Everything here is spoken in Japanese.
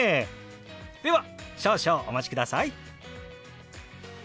では少々お待ちください。